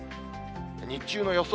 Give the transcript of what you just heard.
日中の予想